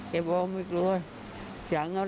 เท่มาเมอร์ที่เขาไม่กลัว